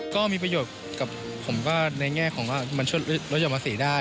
ก็มีประโยชน์กับผมก็ในแง่ของว่ามันช่วยลดห่อนภาษีได้